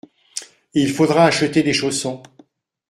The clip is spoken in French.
Il faudra acheter des chaussons.